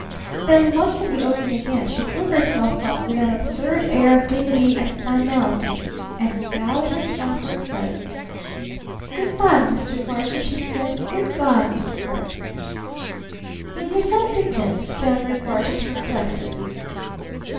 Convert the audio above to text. Then once in the open again she drew herself up with an absurd air of dignity and finality and bowed him from her presence. "Good by, Mr. Barton," she said. "Good by, Mr. Barton." "But Miss Edgarton " stammered Barton perplexedly.